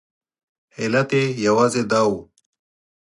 علت یې یوازې دا و.